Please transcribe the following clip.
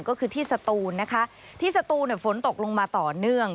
ก็คือที่สตูนนะคะที่สตูนฝนตกลงมาต่อเนื่อง